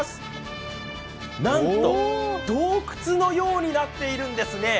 なんと洞窟のようになっているんですね。